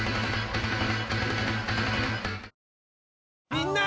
みんな！